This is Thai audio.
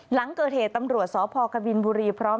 หลังเกิดเหตุตำรวจสพกบินบุรีพร้อม